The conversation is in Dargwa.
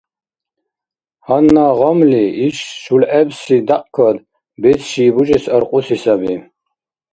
Гьанна гъамли иш шулгӀебси дякькад бецӀ ши бужес аркьуси саби.